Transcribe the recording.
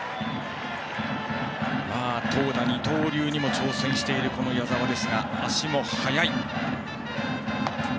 投打二刀流にも挑戦している矢澤ですが足も速い。